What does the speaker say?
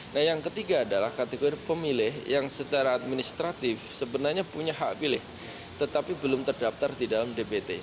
nah yang ketiga adalah kategori pemilih yang secara administratif sebenarnya punya hak pilih tetapi belum terdaftar di dalam dpt